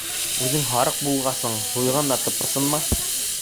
Үҙең һарыҡ булғасың, һуйғанда тыпырсынма.